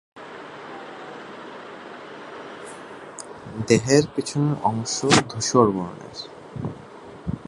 দেহের পিছনের অংশ ধূসর বর্ণের।